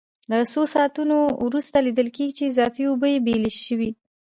له څو ساعتونو وروسته لیدل کېږي چې اضافي اوبه یې بېلې شوې.